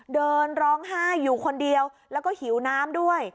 เดินร้องไห้อยู่คนเดียวแล้วก็หิวน้ำด้วย